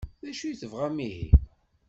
D acu i tebɣam ihi?